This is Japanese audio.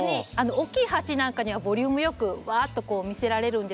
おっきい鉢なんかにはボリュームよくわっと見せられるんですけれども。